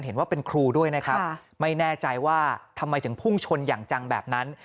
เห็นว่าเป็นครูด้วยนะครับไม่แน่ใจว่าทำไมถึงพุ่งชนอย่างจังแบบนั้น